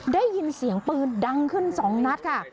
ได้ยินเสียงปืนดังขึ้น๒นัดค่ะ